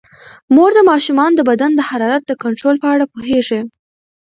مور د ماشومانو د بدن د حرارت د کنټرول په اړه پوهیږي.